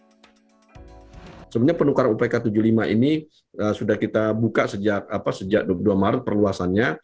sebenarnya penukaran upk tujuh puluh lima ini sudah kita buka sejak dua puluh dua maret perluasannya